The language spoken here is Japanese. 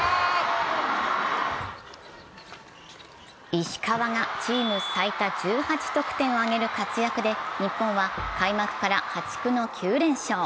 石川がチーム最多１８得点を挙げる活躍で日本は開幕から破竹の９連勝。